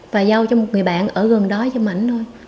và giao cho một người bạn ở gần đó giùm anh thôi